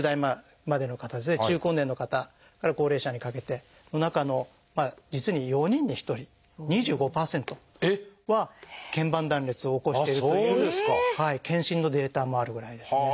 中高年の方から高齢者にかけての中の実に４人に１人２５％は腱板断裂を起こしているという検診のデータもあるぐらいですね。